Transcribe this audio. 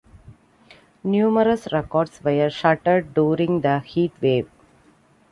Numerous records were shattered during the heatwave.